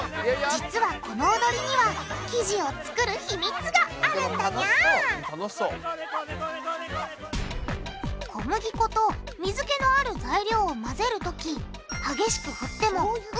実はこのおどりには生地を作る秘密があるんだニャー小麦粉と水けのある材料をまぜるとき激しく振ってもうまくまざらないんだあ！